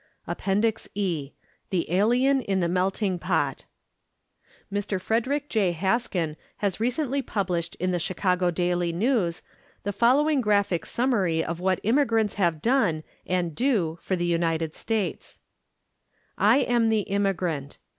APPENDIX E THE ALIEN IN THE MELTING POT Mr. Frederick J. Haskin has recently published in the Chicago Daily News the following graphic summary of what immigrants have done and do for the United States: I am the immigrant.